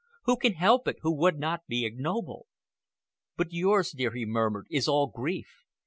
Who can help it who would not be ignoble?" "But yours, dear," he murmured, "is all grief.